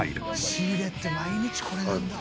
仕入れって毎日これなんだ。